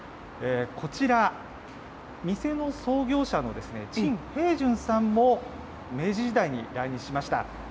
こちら、店の創業者の陳平順さんも明治時代に来日しました。